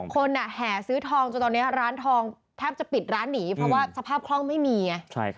คนแห่ซื้อทองจนตอนนี้